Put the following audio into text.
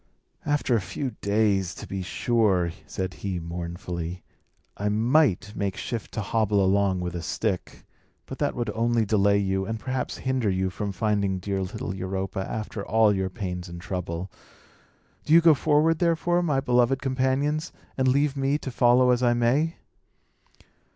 "After a few days, to be sure," said he, mournfully, "I might make shift to hobble along with a stick. But that would only delay you, and perhaps hinder you from finding dear little Europa, after all your pains and trouble. Do you go forward, therefore, my beloved companions, and leave me to follow as I may."